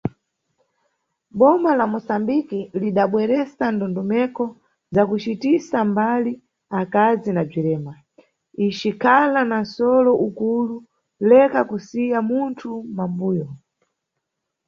Boma la Mosambiki, lidabweresa ndondomeko za kucitisa mbali akazi na bzirema, icikhala na nʼsolo ukulu Leka kusiya munthu mʼmambuyo.